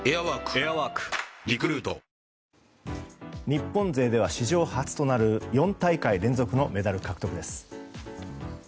日本勢では史上初となる４大会連続のメダル獲得です。